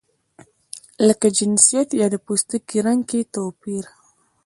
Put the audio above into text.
لکه جنسیت یا د پوستکي رنګ کې توپیر.